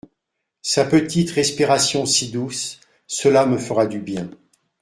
Sa petite respiration si douce, cela me fera du bien.